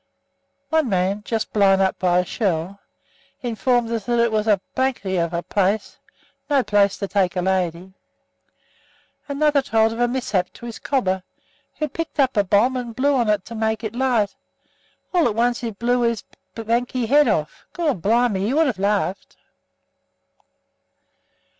One man, just blown up by a shell, informed us that it was a of a place 'no place to take a lady.' Another told of the mishap to his "cobber," who picked up a bomb and blew on it to make it light; "all at once it blew his head off Gorblime! you would have laughed!"